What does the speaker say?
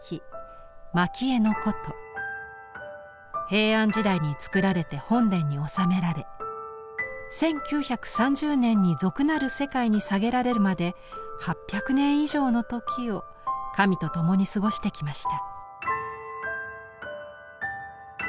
平安時代に作られて本殿におさめられ１９３０年に俗なる世界に下げられるまで８００年以上の時を神と共に過ごしてきました。